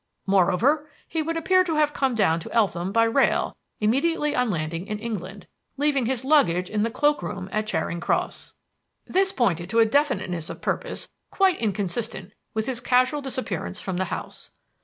Moreover, he would appear to have come down to Eltham by rail immediately on landing in England, leaving his luggage in the cloakroom at Charing Cross. This pointed to a definiteness of purpose quite inconsistent with his casual disappearance from the house.